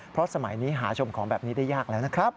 เพราะสมัยนี้หาชมของแบบนี้ได้ยากแล้วนะครับ